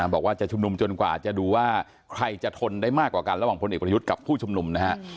บอกว่าจะชุมนุมจนกว่าจะดูว่าใครจะทนได้มากกว่ากันระหว่างพลเอกประยุทธ์กับผู้ชุมนุมนะฮะ